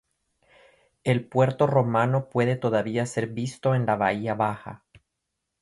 El puerto romano puede todavía ser visto en la bahía baja.